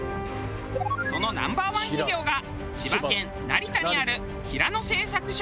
そのＮｏ．１企業が千葉県成田にある平野製作所。